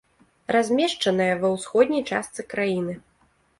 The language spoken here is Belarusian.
Размешчаная ва ўсходняй частцы краіны.